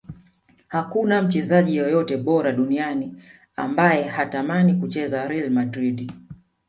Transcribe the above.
hakuna mchezaji yeyote bora duniani ambaye hatamani kucheza real madrid